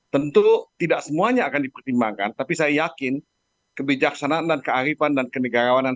tentu tidak semuanya akan dipertimbangkan tapi saya yakin kebijaksanaan dan kearifan dan kenegarawanan